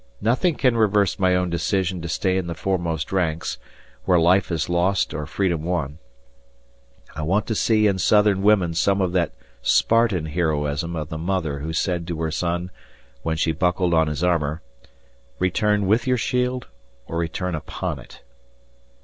Nothing can reverse my own decision to stay in the foremost ranks, "where life is lost or freedom won." I want to see in Southern women some of that Spartan heroism of the mother who said to her son, when she buckled on his armor: "Return with your shield or return upon it."